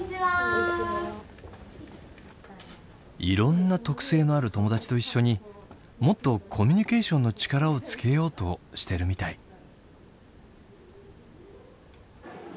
いろんな特性のある友達と一緒にもっとコミュニケーションの力をつけようとしてるみたい。